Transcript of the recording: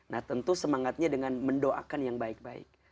nah tentu semangatnya dengan mendoakan yang baik baik